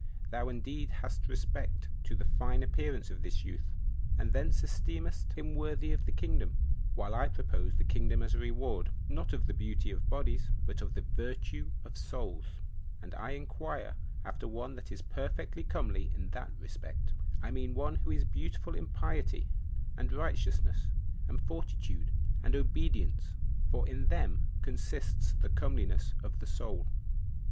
Thou indeed hast respect to the fine appearance of this youth, and thence esteemest him worthy of the kingdom, while I propose the kingdom as a reward, not of the beauty of bodies, but of the virtue of souls, and I inquire after one that is perfectly comely in that respect; I mean one who is beautiful in piety, and righteousness, and fortitude, and obedience, for in them consists the comeliness of the soul."